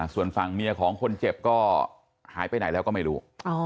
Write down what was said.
ส่วนฝั่งเมียของคนเจ็บก็หายไปไหนแล้วก็ไม่รู้